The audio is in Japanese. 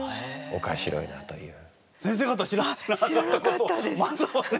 おもしろいなという。